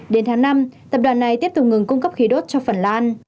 đến tháng năm tập đoàn này tiếp tục ngừng cung cấp khí đốt cho phần lan